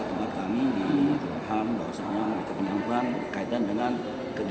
untuk mana pak